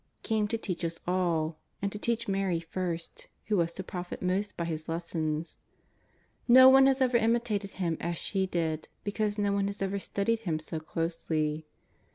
He came to teach us all, and to teach Mary first, who was to profit most by His , lessons. Ko one has ever imitated Him as she did, be cause no one has ever studied Him so closely.